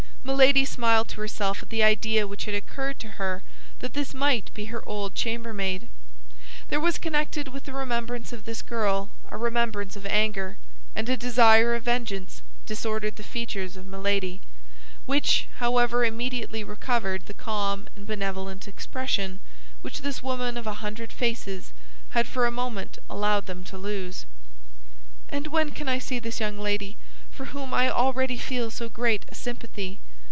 Milady smiled to herself at the idea which had occurred to her that this might be her old chambermaid. There was connected with the remembrance of this girl a remembrance of anger; and a desire of vengeance disordered the features of Milady, which, however, immediately recovered the calm and benevolent expression which this woman of a hundred faces had for a moment allowed them to lose. "And when can I see this young lady, for whom I already feel so great a sympathy?"